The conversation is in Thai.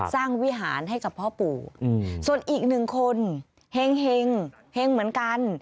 วิหารให้กับพ่อปู่ส่วนอีกหนึ่งคนเห็งเหมือนกัน